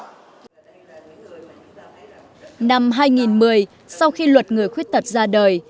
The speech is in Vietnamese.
năm hai nghìn một mươi sau khi luật người khuyết tật ra đời